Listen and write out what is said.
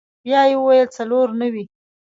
بيا يې وويل څلور نوي.